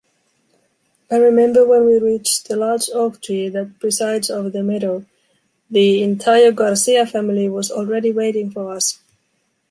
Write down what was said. I remember when we reached the large oak tree that presides over the meadow, the entire Garcia family was already waiting for us.